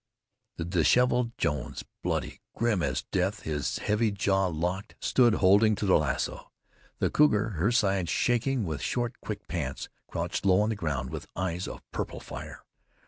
The disheveled Jones, bloody, grim as death, his heavy jaw locked, stood holding to the lasso. The cougar, her sides shaking with short, quick pants, crouched low on the ground with eyes of purple fire.